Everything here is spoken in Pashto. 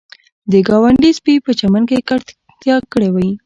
د ګاونډي سپي په چمن کې ککړتیا کړې وي